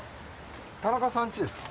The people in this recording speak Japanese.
田中さん家ですか？